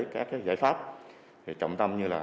các giải pháp trọng tâm như là